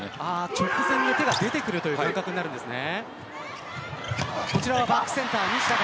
直前に手が出てくるという感覚になるんですね。